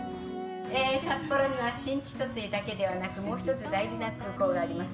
え札幌には新千歳だけではなくもう一つ大事な空港があります。